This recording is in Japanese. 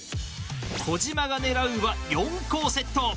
児嶋が狙うは四皇セット。